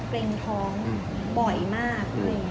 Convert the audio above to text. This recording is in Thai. เกร็งท้องบ่อยมาก